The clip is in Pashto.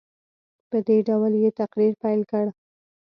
په دې ډول یې تقریر پیل کړ.